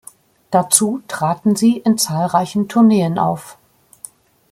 Dazu traten sie in zahlreichen Tourneen auf.